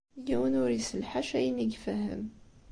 Yiwen ur isell ḥaca ayen i ifehhem.